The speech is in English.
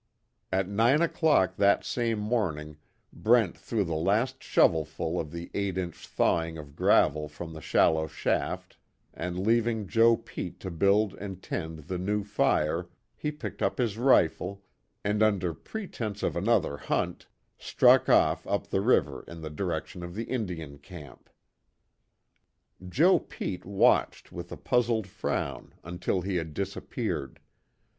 At nine o'clock that same morning Brent threw the last shovelful of the eight inch thawing of gravel from the shallow shaft, and leaving Joe Pete to build and tend the new fire, he picked up his rifle, and under pretense of another hunt, struck off up the river in the direction of the Indian camp. Joe Pete watched with a puzzled frown until he had disappeared.